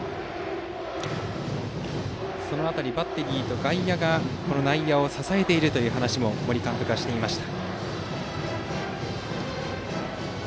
その辺りバッテリーと外野が内野を支えているという話を森監督がしていました。